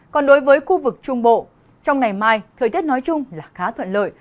còn đối với khu vực trung bộ trong ngày mai thời tiết nói chung là khá thuận lợi